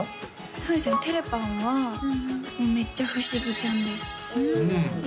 そうですねてれぱんはめっちゃ不思議ちゃんですうんえ？